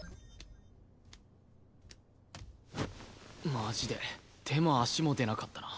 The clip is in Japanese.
マジで手も足も出なかったな。